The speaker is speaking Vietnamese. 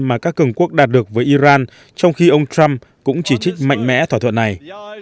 mà các cường quốc đạt được với iran trong khi ông trump cũng chỉ trích mạnh mẽ thỏa thuận này